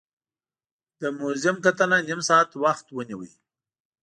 د موزیم کتنه نیم ساعت وخت ونیو.